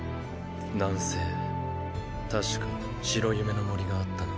南西確か白夢の森があったな。